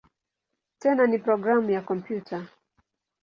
Tena ni programu ya kompyuta.